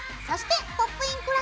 そして「ポップイン！